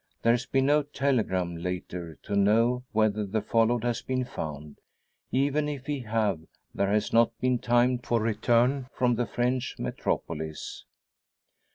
There has been no telegram later to know whether the followed has been found. Even if he have, there has not been time for return from the French metropolis.